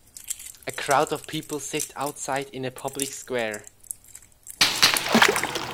A crowd of people sit outside in a public square.